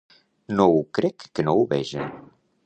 No ho crec que no ho veja.